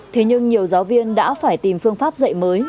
thế nhưng nhiều giáo viên đã phải tìm phương pháp dạy mới